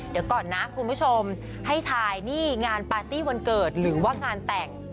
เดี๋ยวก่อนนะคุณผู้ชมให้ทายนี่งานปาร์ตี้วันเกิดหรือว่างานแต่ง